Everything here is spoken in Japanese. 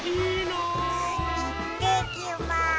いってきます。